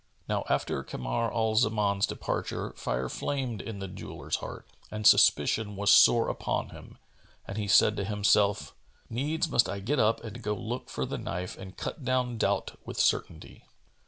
Now after Kamar al Zaman's departure fire flamed in the jeweller's heart and suspicion was sore upon him and he said to himself, "Needs must I get up and go look for the knife and cut down doubt with certainty."